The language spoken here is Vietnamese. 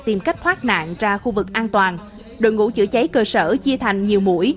tìm cách thoát nạn ra khu vực an toàn đội ngũ chữa cháy cơ sở chia thành nhiều mũi